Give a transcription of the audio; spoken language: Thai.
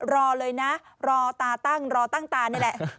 รอเลยนะรอตาตั้งรอตั้งตานี่แหละ